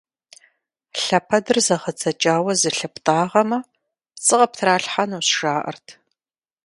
Лъэпэдыр зэгъэдзэкӀауэ зылъыптӀагъэмэ, пцӀы къыптралъхьэнущ, жаӀэрт.